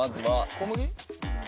小麦？